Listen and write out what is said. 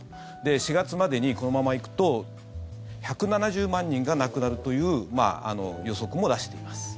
４月までに、このまま行くと１７０万人が亡くなるという予測も出しています。